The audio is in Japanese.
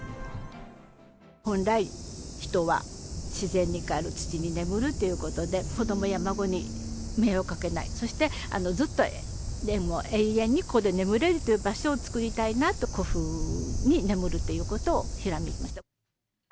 本来、人は自然にかえる、土に眠るということで、子どもや孫に迷惑をかけない、そしてずっと永遠にここで眠れるという場所を作りたいなと、古墳に眠るということをひらめきました。